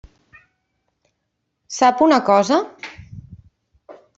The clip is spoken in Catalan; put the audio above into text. Sap una cosa?